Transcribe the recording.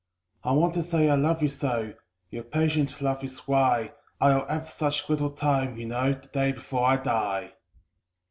I want to say I love you so your patient love is why I'll have such little time, you know, the day before I die.